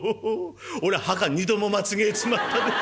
おら墓２度も間違えちまったで。